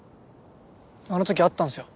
あの時会ったんすよ